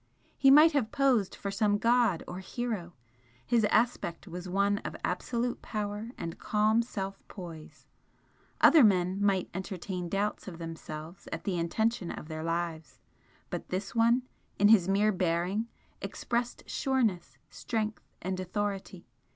He might have posed for some god or hero, his aspect was one of absolute power and calm self poise, other men might entertain doubts of themselves at the intention of their lives, but this one in his mere bearing expressed sureness, strength and authority.